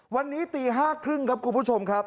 วันนี้ตี๕๓๐ครับคุณผู้ชมครับ